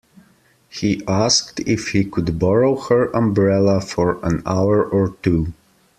He asked if he could borrow her umbrella for an hour or two